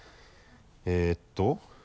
えっと。